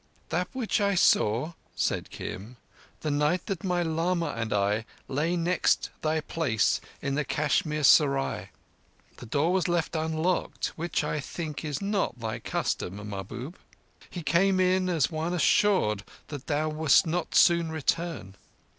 "That which I saw," said Kim, "the night that my lama and I lay next thy place in the Kashmir Seral. The door was left unlocked, which I think is not thy custom, Mahbub. He came in as one assured that thou wouldst not soon return.